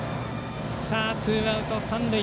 ツーアウト、三塁。